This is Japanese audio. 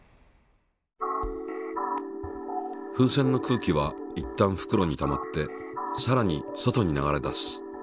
風船の空気はいったんふくろにたまってさらに外に流れ出す。